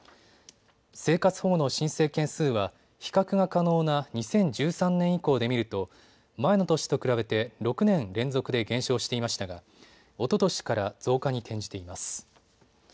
生活保護の申請件数は比較が可能な２０１３年以降で見ると前の年と比べて６年連続で減少していましたがおととしから増加に転じています。